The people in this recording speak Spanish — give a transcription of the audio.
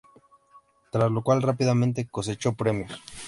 Tras lo cual rápidamente cosechó premios.